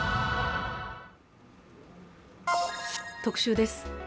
特集です。